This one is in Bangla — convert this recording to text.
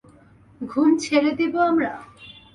ঘুম ছেড়ে দিব আমরা?